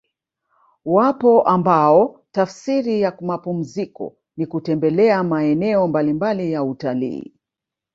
Wapo ambao tafsiri ya mapumziko ni kutembelea maeneo mbalimbali ya utalii